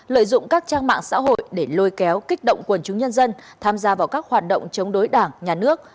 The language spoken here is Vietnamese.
lợi dụng các trang mạng xã hội để lôi kéo kích động quần chúng nhân dân tham gia vào các hoạt động chống đối đảng nhà nước